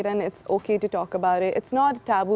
dan tidak ada masalah untuk berbicara tentangnya